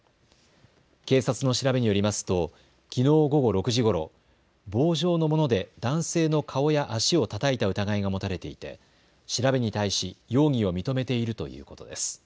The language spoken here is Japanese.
警察の調べによりますときのう午後６時ごろ、棒状のもので男性の顔や足をたたいた疑いが持たれていて調べに対し、容疑を認めているということです。